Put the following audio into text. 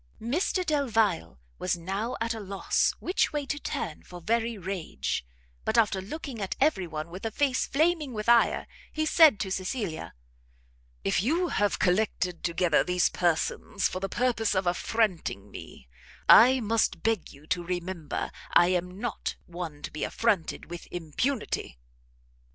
Mr Delvile now was at a loss which way to turn for very rage; but after looking at every one with a face flaming with ire, he said to Cecilia, "If you have collected together these persons for the purpose of affronting me, I must beg you to remember I am not one to be affronted with impunity!"